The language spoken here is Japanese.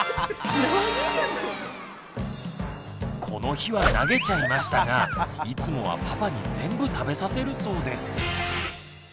この日は投げちゃいましたがいつもはパパに全部食べさせるそうです。